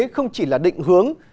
không chỉ là định hướng